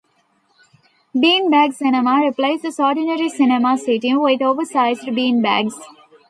Bean Bag Cinema replaces ordinary cinema seating with oversized bean bags.